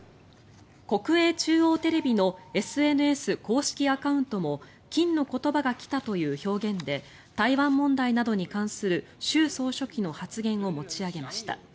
国営中央テレビのＳＮＳ公式アカウントも金の言葉が来たという表現で台湾問題などに関する習総書記の発言を持ち上げました。